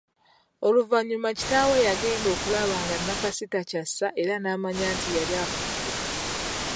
Oluvanyuma kitaawe yagenda okulaba nga Nakasi takyassa era naamanya nti yali afudde.